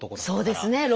そうですね。